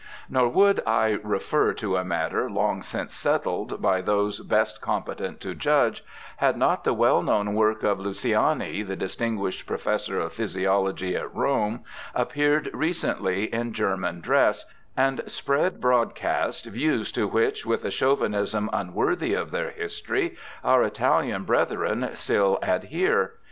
Nor would I refer to a matter long since settled by those best competent to judge, had not the well known work of Luciani, the distinguished ' Willis's Harvey, pp. 21 2. 3TO BIOGRAPHICAL ESSAYS Professor of Ph3'siology at Rome, appeared recently in German dress\ and spread broadcast views to which, with a chauvinism unworthy of their history, our ItaUan brethren still adhere.